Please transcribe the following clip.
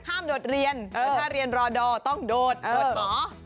โดดเรียนถ้าเรียนรอดอต้องโดดโดดหมอ